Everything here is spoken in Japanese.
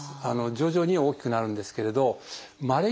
徐々に大きくなるんですけれどまれにですね